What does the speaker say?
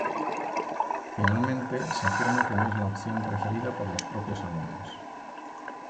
Finalmente, se afirma que no es la opción preferida por los propios alumnos.